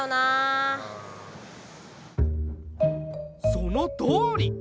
そのとおり！